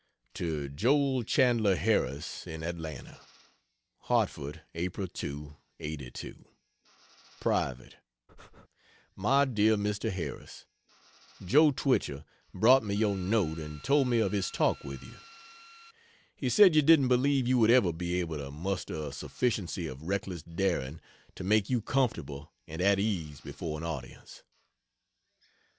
To Joel Chandler Harris, in Atlanta: HARTFORD, Apl. 2, '82. Private. MY DEAR MR. HARRIS, Jo Twichell brought me your note and told me of his talk with you. He said you didn't believe you would ever be able to muster a sufficiency of reckless daring to make you comfortable and at ease before an audience.